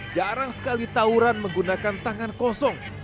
jarang sekali tauran menggunakan tangan kosong